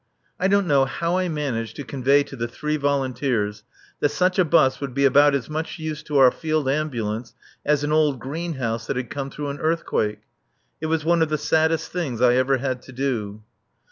I don't know how I managed to convey to the three volunteers that such a bus would be about as much use to our Field Ambulance as an old greenhouse that had come through an earthquake. It was one of the saddest things I ever had to do.